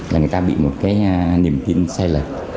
là người ta bị một cái niềm tin sai lệch